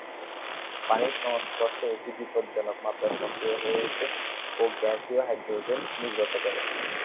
পানির সংস্পর্শে এটি বিপজ্জনক মাত্রায় সক্রিয় হয়ে ওঠে ও গ্যাসীয় হাইড্রোজেন নির্গত করে।